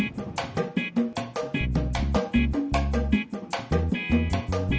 tak ada nanti